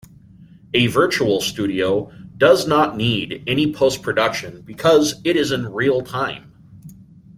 A virtual studio does not need any post production because it is in real-time.